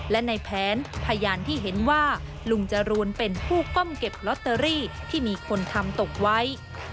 และในแผนพยานที่เห็นว่าลุงจรูนเป็นผู้ก้มเก็บลอตเตอรี่ที่มีคนทำตกไว้